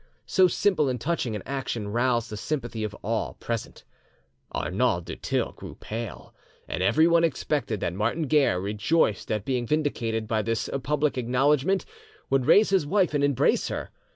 So simple and touching an action roused the sympathy of all present; Arnauld du Thill grew pale, and everyone expected that Martin Guerre, rejoiced at being vindicated by this public acknowledgment, would raise his wife and embrace her.